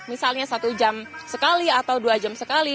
misalnya satu jam sekali atau dua jam sekali